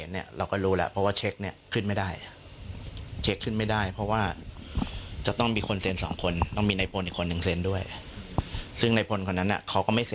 ที่ถ้าชมไปเห็นมาสักครู่คือทุนศักดิ์ศิรรย์บุญรัชผู้สูญศาวของเรา